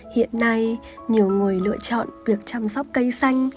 hiện nay nhiều người lựa chọn việc chăm sóc cây xanh